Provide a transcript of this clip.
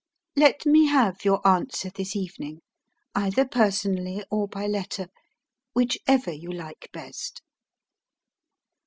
"Let me have your answer this evening, either personally or by letter, whichever you like best."